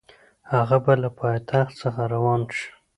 هغه به له پایتخت څخه روان شي.